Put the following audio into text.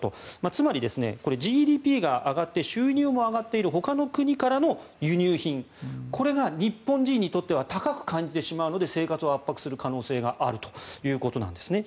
つまり、ＧＤＰが上がって収入も上がっているほかの国からの輸入品これが日本人にとっては高く感じてしまうので生活を圧迫する可能性があるということです。